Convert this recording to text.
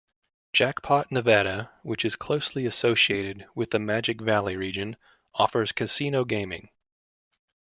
Jackpot, Nevada, which is closely associated with the Magic Valley region, offers casino gaming.